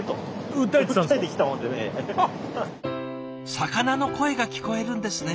魚の声が聞こえるんですね。